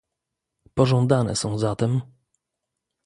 Pożądane są zatem